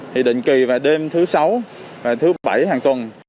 thì định kỳ vào đêm thứ sáu và thứ bảy hàng tuần